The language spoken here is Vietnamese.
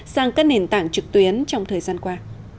sang các nền tảng trực tuyến trong thời gian qua